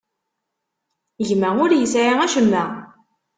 Gma ur yesɛi acemma.